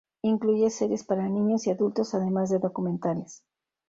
Incluye series para niños y adultos, además de documentales.